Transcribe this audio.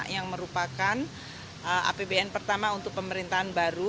yang merupakan apbn pertama untuk pemerintahan baru